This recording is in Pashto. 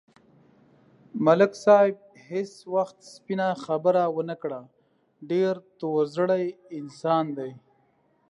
ملک صاحب هېڅ وخت سپینه خبره و نه کړه، ډېر تور زړی انسان دی.